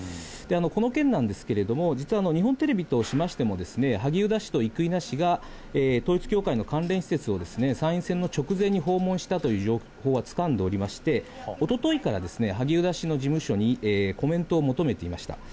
この件なんですけれども、実は日本テレビとしましても、萩生田氏と生稲氏が、統一教会の関連施設を参院選の直前に訪問したという情報はつかんでおりまして、おとといから、萩生田氏の事務所にコメントを求めていました。